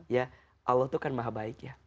ya allah itu kan maha baik ya